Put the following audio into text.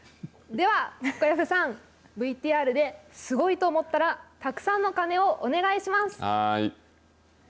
では、小籔さん、ＶＴＲですごいと思ったらたくさんの鐘をお願いします。